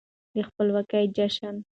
د خپلواکۍ جشن